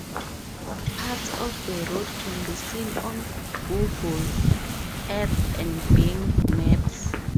Parts of the road can be seen on Google Earth and Bing maps.